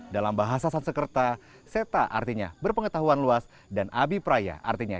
dalam bahasa sansekerta seta artinya berpengetahuan luas dan abipraya